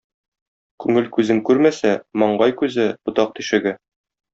Күңел күзең күрмәсә, маңгай күзе - ботак тишеге.